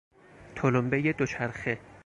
تلمبهی دوچرخه